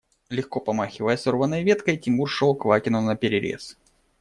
Легко помахивая сорванной веткой, Тимур шел Квакину наперерез.